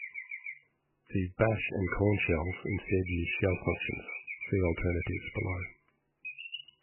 The Bash and Korn shells instead use shell functions - see Alternatives below.